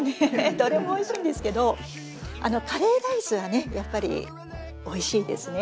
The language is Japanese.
どれもおいしいんですけどカレーライスはやっぱりおいしいですね。